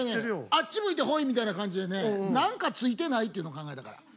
あっち向いてホイみたいな感じでね何かついてない？っていうの考えたから。